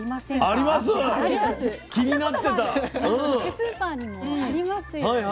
スーパーにもありますよね。